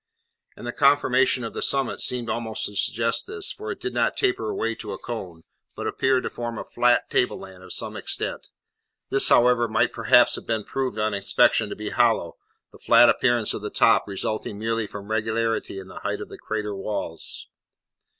And the conformation of the summit seemed also to suggest this, for it did not taper away to a cone, but appeared to form a flat tableland of some extent; this, however, might perhaps have proved on inspection to be hollow, the flat appearance of the top resulting merely from regularity in the height of the crater walls.